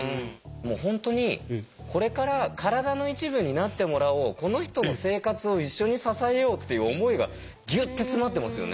もう本当にこれから体の一部になってもらおうこの人の生活を一緒に支えようっていう思いがギュッて詰まってますよね。